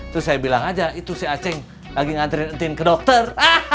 terus saya bilang aja itu si aceng lagi ngantriin entin ke dokter